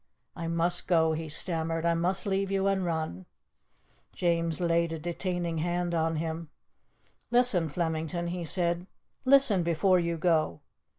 "I must go," he stammered. "I must leave you and run." James laid a detaining hand on him. "Listen, Flemington," he said. "Listen before you go.